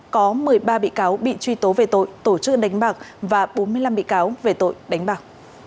có một mươi ba bị cáo bị truy tố về tội tổ chức đánh bạc và bốn mươi năm bị cáo về tội đánh bạc